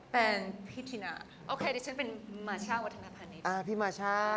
เป็นพิธินะ